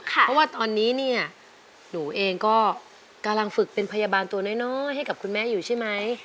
เพราะว่าตอนนี้เนี่ยหนูเองก็กำลังฝึกเป็นพยาบาลตัวน้อยให้กับคุณแม่อยู่ใช่ไหม